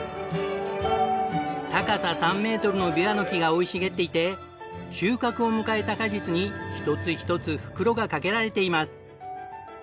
高さ３メートルのビワの木が生い茂っていて収穫を迎えた果実に１つ１つ袋が掛けられています。